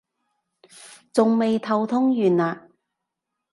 仲未頭痛完啊？